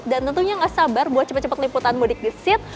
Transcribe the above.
dan tentunya nggak sabar buat cepet cepet liputan mudik di seat